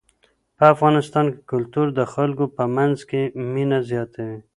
په افغانستان کې کلتور د خلکو په منځ کې مینه زیاتوي.